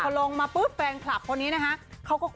พอลงมาปุ๊บแฟนคลับคนนี้นะคะ